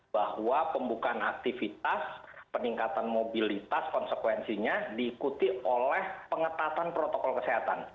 bahwa pembukaan aktivitas peningkatan mobilitas konsekuensinya diikuti oleh pengetatan protokol kesehatan